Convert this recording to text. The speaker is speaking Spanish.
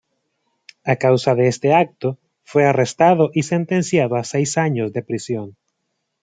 A causa de este acto fue arrestado y sentenciado a seis años de prisión.